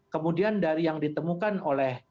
kemudian dari yang ditemukan oleh